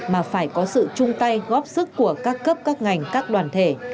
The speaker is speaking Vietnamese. mà phải có sự chung tay góp sức của các cấp các ngành các đoàn thể